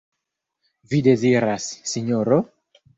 Vi deziras, Sinjoro?